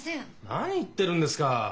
何言ってるんですか。